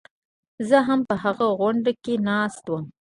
زه هم په هغه غونډه کې ناست وم.